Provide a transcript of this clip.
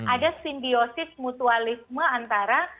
ada simbiosis mutualisme antara